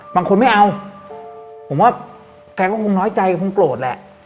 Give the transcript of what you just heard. บางคนไม่เอาผมว่าแกก็คงน้อยใจคงโกรธแหละ